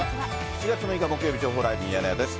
７月６日木曜日、情報ライブミヤネ屋です。